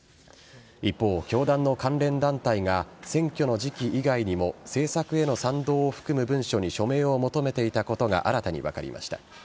一方、教団の関連団体が選挙の時期以外にも政策への賛同を含む文書に署名を求めていたことが新たに分かりました。